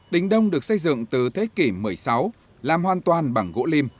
đình đông được xây dựng từ thế kỷ một mươi sáu làm hoàn toàn bằng gỗ lim